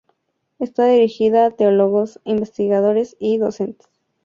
Está dirigida a teólogos, investigadores y docentes.